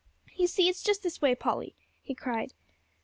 "You see, it's just this way, Polly," he cried.